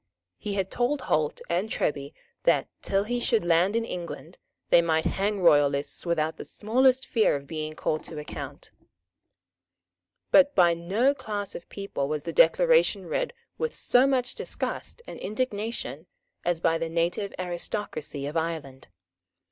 He had told Holt and Treby that, till he should land in England, they might hang royalists without the smallest fear of being called to account. But by no class of people was the Declaration read with so much disgust and indignation as by the native aristocracy of Ireland.